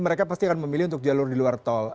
mereka pasti akan memilih untuk jalur di luar tol